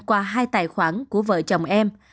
qua hai tài khoản của vợ chồng em